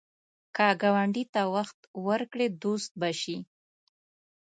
که ګاونډي ته وخت ورکړې، دوست به شي